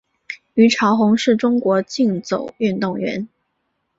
虞朝鸿是中国竞走运动员。